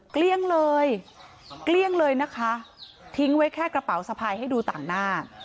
เกลี้ยงเลยเกลี้ยงเลยนะคะทิ้งไว้แค่กระเป๋าสะพายให้ดูต่างหน้า